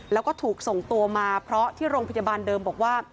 แล้วก็ถูกส่งตัวมาเพราะที่โรงพยาบาลเดิมบอกว่า